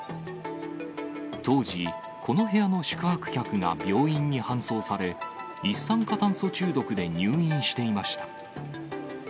当時、この部屋の宿泊客が病院に搬送され、一酸化炭素中毒で入院していました。